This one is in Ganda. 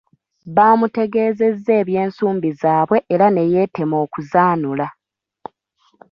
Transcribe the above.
Baamutegeeza eby’ensumbi zaabwe era ne yeetema okuzanula.